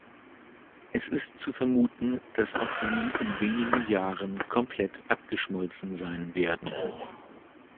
Es ist zu vermuten, dass auch sie in wenigen Jahren komplett abgeschmolzen sein werden.